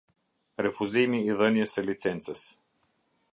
Refuzimi i dhënies së licencës.